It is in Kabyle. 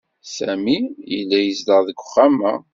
Sami yella yezdeɣ deg uxxam-a.